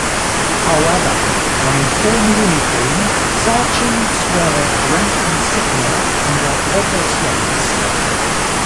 However, when in formal uniform sergeants wear their rank insignia on their upper sleeves.